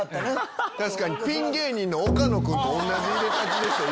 確かにピン芸人の岡野君と同じいでたちでしたよ。